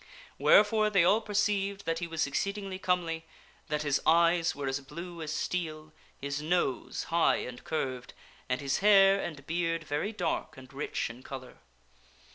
Wherefore they all perceived that he was exceedingly comely, that his eyes were as blue as steel, his nose high and curved, and his hair and beard very dark and rich in color.